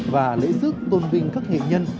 và lễ dước tôn vinh các nghệ nhân